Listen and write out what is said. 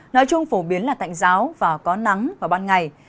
nói chung phổ biến là tạnh giáo và có nắng vào ban ngày